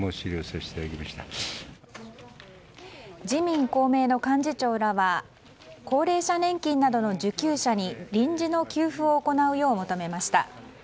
自民・公明の幹事長らは高齢者年金などの受給者に臨時の給付を行うよう求めました。